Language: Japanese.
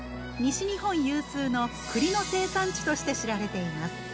西日本有数のくりの生産地として知られています。